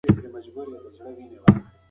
انټرنیټ د ایډیالیسټیکو تجربو د حاصلولو لار ده.